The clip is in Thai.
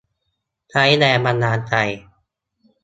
ใช้แรงบันดาลใจ